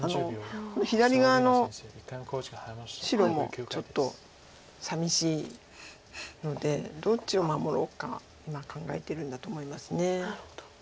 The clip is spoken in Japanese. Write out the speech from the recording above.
左側の白もちょっとさみしいのでどっちを守ろうか今考えてるんだと思います。